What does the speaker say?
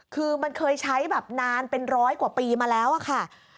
คือมันเคยใช้แบบนานเป็นร้อยกว่าปีมาแล้วอะค่ะ